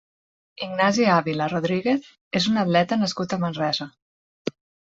Ignasi Ávila Rodríguez és un atleta nascut a Manresa.